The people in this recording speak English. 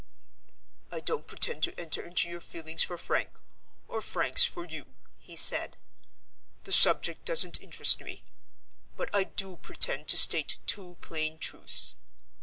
"I don't pretend to enter into your feelings for Frank, or Frank's for you," he said. "The subject doesn't interest me. But I do pretend to state two plain truths.